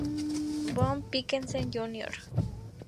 Boone Pickens, Jr.